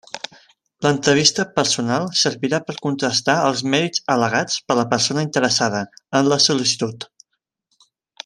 L'entrevista personal servirà per a contrastar els mèrits al·legats per la persona interessada, en la sol·licitud.